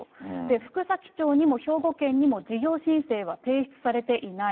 福崎町にも兵庫県にも、事業申請は提出されていない。